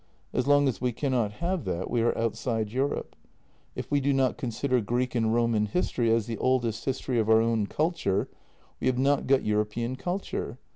As long as we cannot have that, we are outside Europe. If we do not consider Greek and Roman history as the oldest history of our own culture, we have not got European culture.